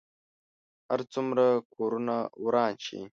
هر څومره کورونه وران شي.